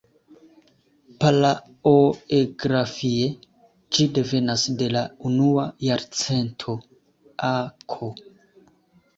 Palaoegrafie ĝi devenas de la unua jarcento a.K.